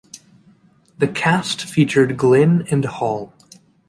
The cast featured Glynn and Hall.